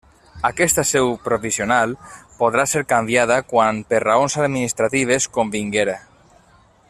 Aquesta seu provisional podrà ser canviada quan per raons administratives convinguera.